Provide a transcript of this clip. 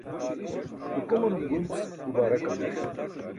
dukumanum gunc bubaarak maniṣ